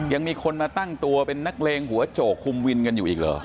ยังมีคนมาตั้งตัวเป็นนักเลงหัวโจกคุมวินกันอยู่อีกเหรอ